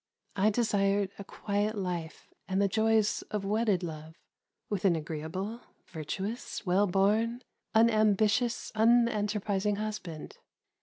I desired a quiet life and the joys of wedded love, with an agreeable, virtuous, well born, unambitious, unenterprising husband.